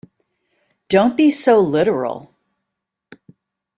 Don't be so literal.